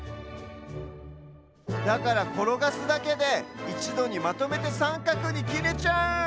だからころがすだけでいちどにまとめてさんかくにきれちゃう！